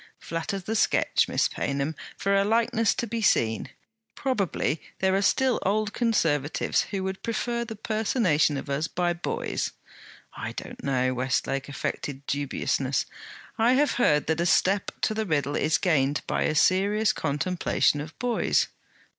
Flatter the sketch, Miss Paynham, for a likeness to be seen. Probably there are still Old Conservatives who would prefer the personation of us by boys.' 'I don't know,' Westlake affected dubiousness. 'I have heard that a step to the riddle is gained by a serious contemplation of boys.'